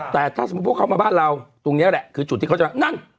แต่ถ้าสมมุติพวกเขามาบ้านเราตรงนี้แหละคือจุดที่เขาจะนั่น